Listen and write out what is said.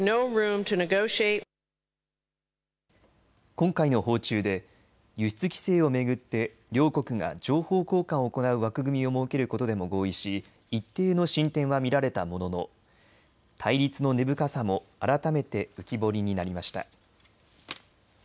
今回の訪中で輸出規制を巡って両国が情報交換を行う枠組みを設けることでも合意し一定の進展は見られたものの対立の根深さも改めて浮き彫りになりました。